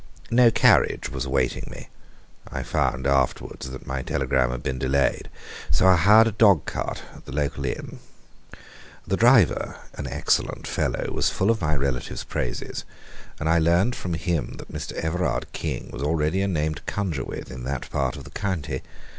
No carriage was awaiting me (I found afterwards that my telegram had been delayed), so I hired a dogcart at the local inn. The driver, an excellent fellow, was full of my relative's praises, and I learned from him that Mr. Everard King was already a name to conjure with in that part of the county.